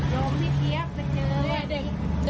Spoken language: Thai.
โยมที่เทียบจะเจอ